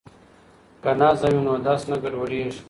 که نظم وي نو درس نه ګډوډیږي.